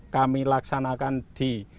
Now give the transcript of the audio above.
kami laksanakan di